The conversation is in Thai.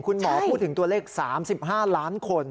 คุณหมอพูดถึงตัวเลข๓๕ล้านคน